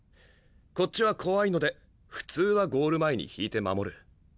こっちは怖いので普通はゴール前に引いて守る。